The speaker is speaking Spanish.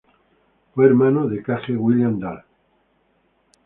Fue hermano de K. G. William Dahl.